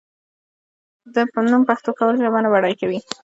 د نوم پښتو کول ژبه نه بډای کوي.